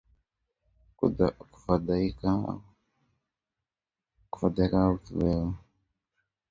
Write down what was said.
Kufadhaika au kiwewe